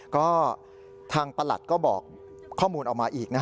ก็ทางประหลัดก็บอกข้อมูลออกมาอีก